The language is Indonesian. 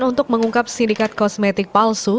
untuk mengungkap sindikat kosmetik palsu